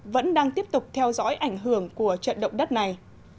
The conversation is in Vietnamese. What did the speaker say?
vẫn đang tiếp tục theo dõi ảnh hưởng của trận động đất này